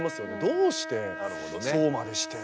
どうしてそうまでして。